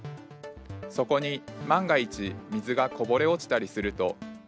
そこに万が一水がこぼれ落ちたりすると。